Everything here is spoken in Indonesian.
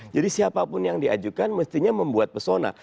jadi siapapun yang diajukan mestinya membuat persona